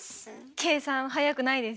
計算は速くないです。